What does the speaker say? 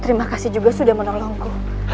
terima kasih juga sudah menolongku